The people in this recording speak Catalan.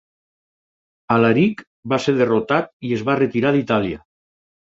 Alaric va ser derrotat i es va retirar d'Itàlia.